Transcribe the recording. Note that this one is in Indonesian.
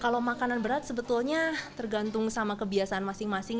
kalau makanan berat sebetulnya tergantung sama kebiasaan masing masing